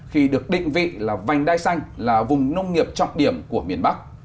khi được định vị là vành đai xanh là vùng nông nghiệp trọng điểm của miền bắc